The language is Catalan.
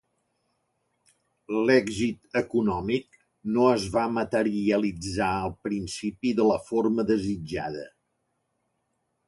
L'èxit econòmic no es va materialitzar al principi de la forma desitjada.